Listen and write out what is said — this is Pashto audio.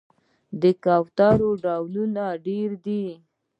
د کوترو ډولونه ډیر دي